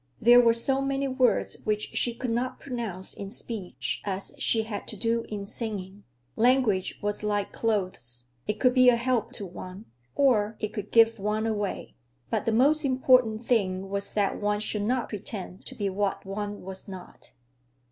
There were so many words which she could not pronounce in speech as she had to do in singing. Language was like clothes; it could be a help to one, or it could give one away. But the most important thing was that one should not pretend to be what one was not.